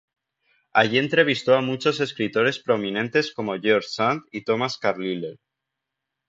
Allí entrevistó a muchos escritores prominentes como George Sand y Thomas Carlyle.